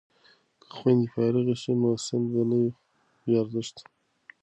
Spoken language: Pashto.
که خویندې فارغې شي نو سند به نه وي بې ارزښته.